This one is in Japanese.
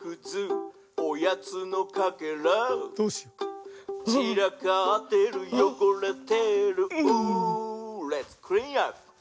おやつのカケラ」「ちらかってるよごれてる」「ウーーーレッツクリーンアップ」